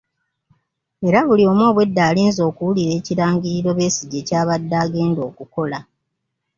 Era buli omu obwedda alinze okuwulira ekirangiriro Besigye ky'abadde agenda okukola.